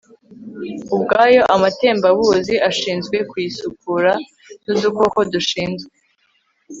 ubwayo amatembabuzi ashinzwe kuyisukura n'udukoko dushinzwe